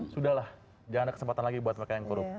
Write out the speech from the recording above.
sudahlah jangan ada kesempatan lagi buat mereka yang korup